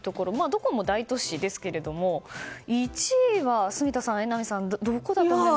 どこも大都市ですけれども１位は住田さん、榎並さんどこだと思いますか？